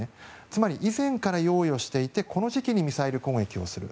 つまり、以前から用意をしていてこの時期にミサイル攻撃をする。